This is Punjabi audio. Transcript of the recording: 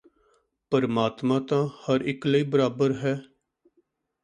ਪ੍ਰਮਾਤਮਾ ਤਾਂ ਹਰ ਇਕ ਲਈ ਬਰਾਬਰ ਹੈ